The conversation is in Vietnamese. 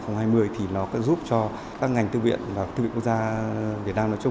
giúp cho các ngành thư viện và thư viện quốc gia việt nam